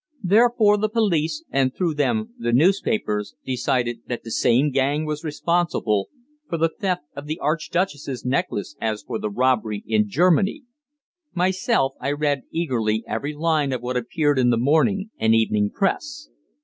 Therefore the police, and through them the newspapers, decided that the same gang was responsible for the theft of the Archduchess's necklace as for the robbery in Germany. Myself, I read eagerly every line of what appeared in the morning and evening press.